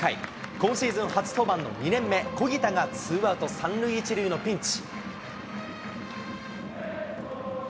今シーズン初登板の２年目、小木田がツーアウト３塁１塁のピンチ。